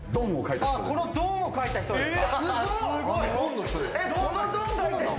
この「どん」を書いた人ですか？